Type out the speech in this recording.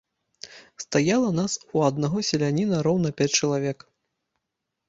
Стаяла нас у аднаго селяніна роўна пяць чалавек.